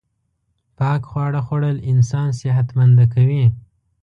پاک خواړه خوړل انسان صحت منده کوی